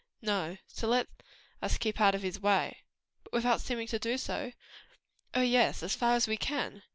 "No; so let us keep out of his way." "But without seeming to do so?" "Oh, yes; as far as we can.